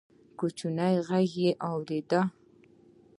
د کوچي غږ يې واورېد: